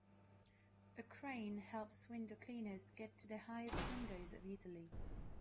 A crane helps window cleaners get to the highest windows of Italy.